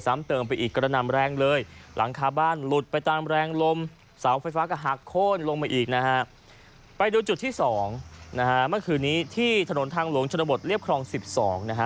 เมื่อคืนนี้ที่ถนนทางหลงชนบทเรียบคลอง๑๒นะฮะ